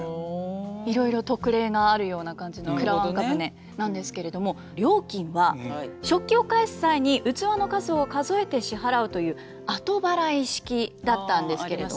いろいろ特例があるような感じのくらわんか舟なんですけれども料金は食器を返す際に器の数を数えて支払うという後払い式だったんですけれども。